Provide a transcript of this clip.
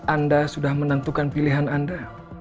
anda sudah menentukan pilihan anda